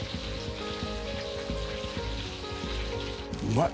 うまい。